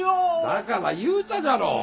だから言うたじゃろう。